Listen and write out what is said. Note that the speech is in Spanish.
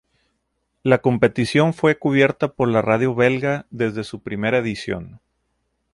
La competición fue cubierta por la radio belga desde su primera edición.